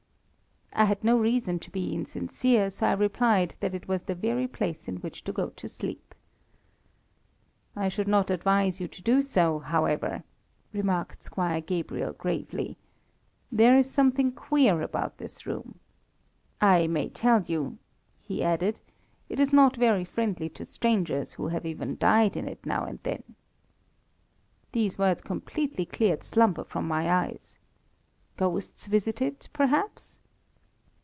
I had no reason to be insincere, so I replied that it was the very place in which to go to sleep. "I should not advise you to do so, however," remarked Squire Gabriel, gravely, "there is something queer about this room. I may tell you," he added, "it is not very friendly to strangers, who have even died in it now and then." These words completely cleared slumber from my eyes. "Ghosts visit it, perhaps?"